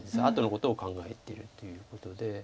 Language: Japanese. あとのことを考えてるっていうことで。